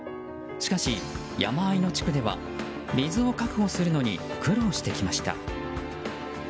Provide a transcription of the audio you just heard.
しかし、山あいの地区では水を確保するのに苦労してきました。